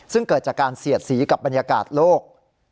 ซึ่งเกิดจากการเสียดสีกับบรรยากาศโลก